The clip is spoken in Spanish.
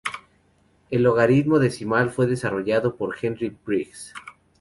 El logaritmo decimal fue desarrollado por Henry Briggs.